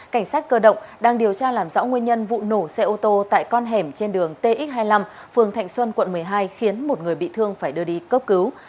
cảnh sát cơ động đang điều tra làm rõ nguyên nhân vụ nổ xe ô tô tại con hẻm trên đường tx hai mươi năm phường thạnh xuân quận một mươi hai khiến một người bị thương phải đưa đi cấp cứu